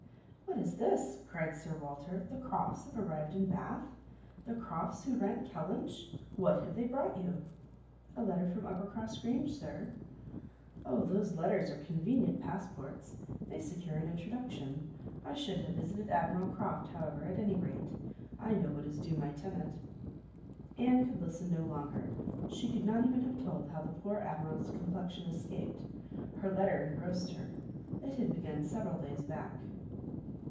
"What is this?" cried Sir Walter. "The Crofts have arrived in Bath? The Crofts who rent Kellynch? What have they brought you?" "A letter from Uppercross Cottage, Sir." "Oh! those letters are convenient passports. They secure an introduction. I should have visited Admiral Croft, however, at any rate. I know what is due to my tenant." Anne could listen no longer; she could not even have told how the poor Admiral's complexion escaped; her letter engrossed her. It had been begun several days back.